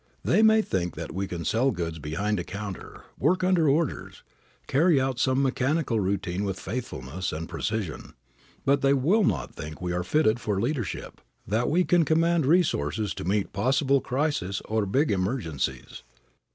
They may think that we can sell goods behind a counter, work under orders, carry out some mechanical routine with faithfulness and precision, but they will not think we are fitted for leadership, that we can command resources to meet possible crises or big emergencies.